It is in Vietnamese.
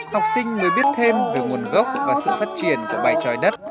học sinh mới biết thêm về nguồn gốc và sự phát triển của bài tròi đất